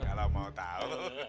kalau mau tahu